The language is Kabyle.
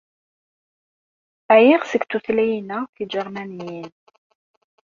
Ɛyiɣ seg tutlayin-a tiǧermaniyin.